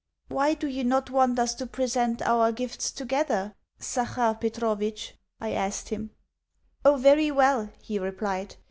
"Why do you not want us to present our gifts together, Zachar Petrovitch?" I asked him. "Oh, very well," he replied.